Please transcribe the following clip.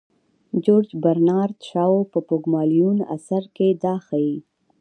جورج برنارد شاو په پوګمالیون اثر کې دا ښيي.